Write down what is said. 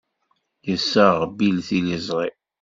Yessaɣ Bill tiliẓri.